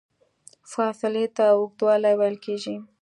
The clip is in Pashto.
فاصلې ته اوږدوالی ویل کېږي.